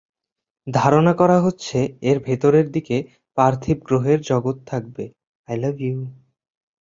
ধারণা করা হচ্ছে, এর ভেতরের দিকে পার্থিব গ্রহের জগৎ থাকবে।